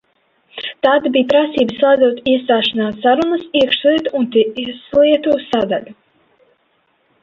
Tāda bija prasība, slēdzot iestāšanās sarunās iekšlietu un tieslietu sadaļu.